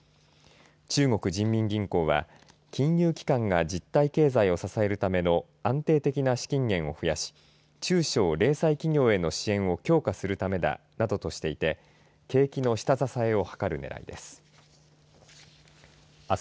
中国人民銀行は金融機関が実体経済を支えるための安定的な資金源を増やし中小・零細企業への支援を強化するためだなどとしていて景気の下支えを図るねらいです。